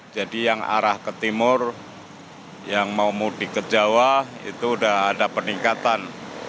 jadi yang arah ke timur yang mau mudik ke jawa itu udah ada peningkatan